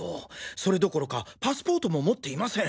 それどころかパスポートも持っていません。